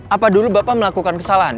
apa dulu bapak melakukan kesalahan